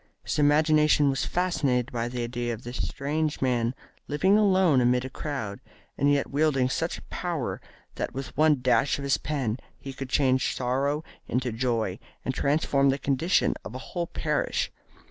His imagination was fascinated by the idea of this strange man living alone amid a crowd, and yet wielding such a power that with one dash of his pen he could change sorrow into joy, and transform the condition of a whole parish.